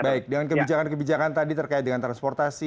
baik dengan kebijakan kebijakan tadi terkait dengan transportasi